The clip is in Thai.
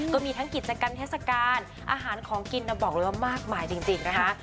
ก็มีทั้งกิจกรรมเทศกาลอาหารของกินบอกเลยว่ามากมายจริงนะคะ